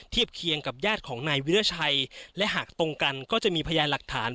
เทียบเคียงกับญาติของนายวิราชัยและหากตรงกันก็จะมีพยานหลักฐาน